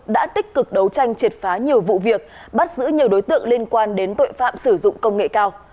đã tích cực đấu tranh triệt phá nhiều vụ việc bắt giữ nhiều đối tượng liên quan đến tội phạm sử dụng công nghệ cao